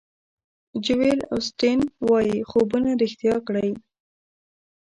جویل اوسټین وایي خوبونه ریښتیا کړئ.